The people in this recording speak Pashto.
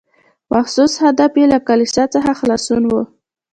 محسوس هدف یې له کلیسا څخه خلاصون و.